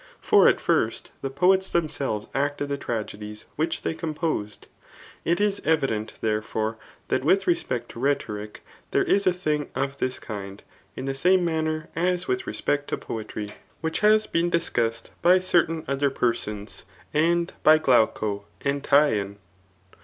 For at first, the poets themselves acted the tragedies [which they composed.] It is evident, there fere, that with req>ect to rhetoric, there is a thing of diis kind, in the same manner as with respect to poetry; which has been, discussed by certaun other persons, and by Ghuco the Teian.